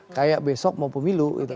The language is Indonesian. kayak besok mau pemilu gitu